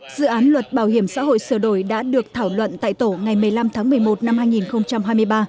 dự án luật bảo hiểm xã hội sửa đổi đã được thảo luận tại tổ ngày một mươi năm tháng một mươi một năm hai nghìn hai mươi ba